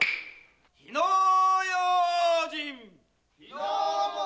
火の用心！